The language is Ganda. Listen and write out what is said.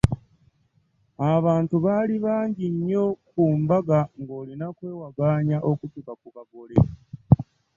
Abantu baali bangi nnyo ku mbaga ng'olina kwewagaanya okutuuka ku bagole.